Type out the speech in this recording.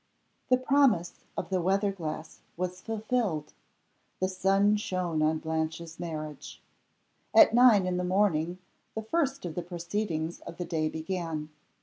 THE promise of the weather glass was fulfilled. The sun shone on Blanche's marriage. At nine in the morning the first of the proceedings of the day began.